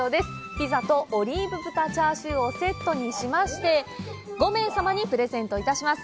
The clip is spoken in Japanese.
ピザとオリーブ豚チャーシューをセットにしまして５名様にプレゼント致します